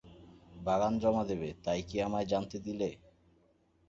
বাগান জমা দেবে, তাই কি আমায় জানতে দিলে?